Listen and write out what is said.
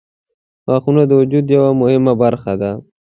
• غاښونه د وجود یوه مهمه برخه ده.